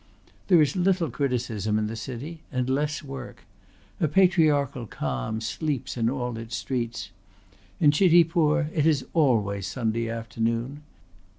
There is little criticism in the city and less work. A patriarchal calm sleeps in all its streets. In Chitipur it is always Sunday afternoon.